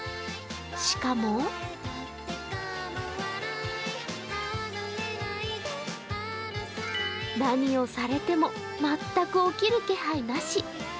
しかも何をされても全く起きる気配なし。